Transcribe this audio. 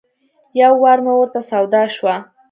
یو وار مې ورته سودا شوه.